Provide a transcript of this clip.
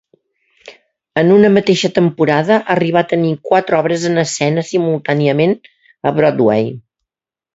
En una mateixa temporada arribà a tenir quatre obres en escena simultàniament a Broadway.